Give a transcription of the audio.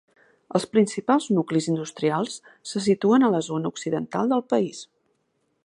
Els principals nuclis industrials se situen a la zona occidental del país.